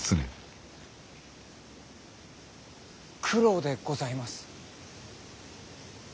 九郎でございます。